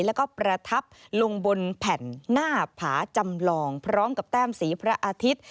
แล้วก็ประทับลงบนแผ่นหน้าผาจำลองพร้อมกับแต้มสีพระอาทิตย์